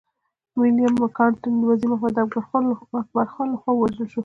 ويليم مکناټن د وزير محمد اکبر خان لخوا ووژل شو.